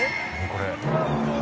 これ。